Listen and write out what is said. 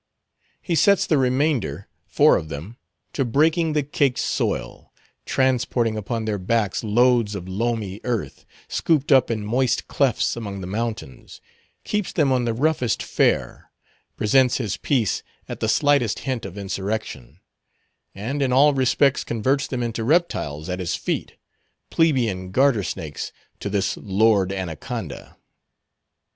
He sets the remainder—four of them—to breaking the caked soil; transporting upon their backs loads of loamy earth, scooped up in moist clefts among the mountains; keeps them on the roughest fare; presents his piece at the slightest hint of insurrection; and in all respects converts them into reptiles at his feet—plebeian garter snakes to this Lord Anaconda.